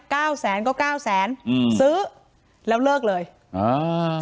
เก้าแสนก็เก้าแสนอืมซื้อแล้วเลิกเลยอ่า